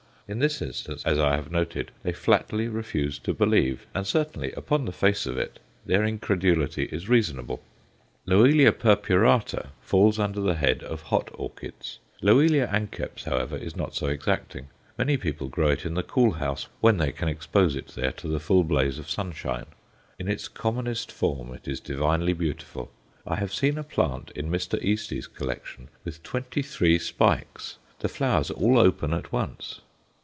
In this instance, as I have noted, they flatly refuse to believe, and certainly "upon the face of it" their incredulity is reasonable. Loelia purpurata falls under the head of hot orchids. L. anceps, however, is not so exacting; many people grow it in the cool house when they can expose it there to the full blaze of sunshine. In its commonest form it is divinely beautiful. I have seen a plant in Mr. Eastey's collection with twenty three spikes, the flowers all open at once.